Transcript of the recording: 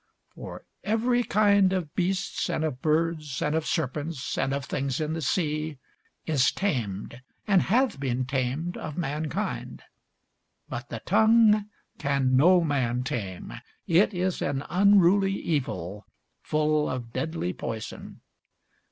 For every kind of beasts, and of birds, and of serpents, and of things in the sea, is tamed, and hath been tamed of mankind: but the tongue can no man tame; it is an unruly evil, full of deadly poison.